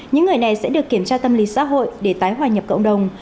những người này sẽ được kiểm tra tâm lý xã hội để tái hòa nhập cộng đồng